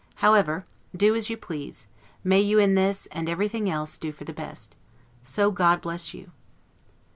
However, do as you please: may you in this, and everything else, do for the best! So God bless you!